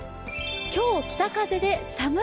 今日、北風で寒い。